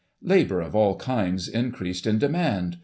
*" Labour of all kinds increased in demand.